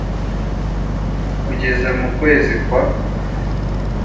kugeza mu kwezi kwa